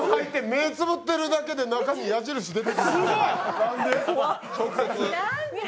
目つぶってるだけで中に矢印出てた。